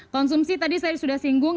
konsumsi tadi saya sudah singgung